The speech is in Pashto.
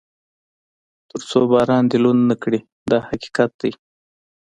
تر څو باران دې لوند نه کړي دا حقیقت دی.